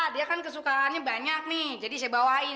dia kan kesukaannya banyak nih jadi saya bawain